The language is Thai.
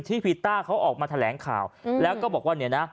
ที่วีต้าเขาออกมาแถลงข่าวแล้วก็บอกว่า